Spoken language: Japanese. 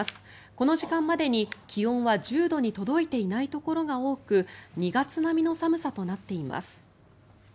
この時間までに気温は１０度に届いていないところが多く２月並みの寒さとなっています。